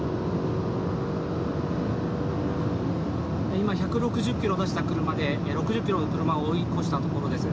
今１６０キロ出した車で６０キロの車を追い越したところです。